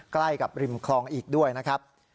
ใกล้กับริมคลองอีกด้วยนะครับ